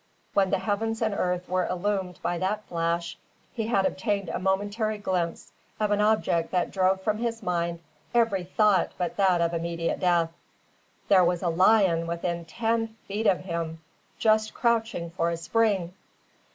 When the heavens and earth were illumed by that flash, he had obtained a momentary glimpse of an object that drove from his mind every thought but that of immediate death. There was a lion within ten feet of him, just crouching for a spring!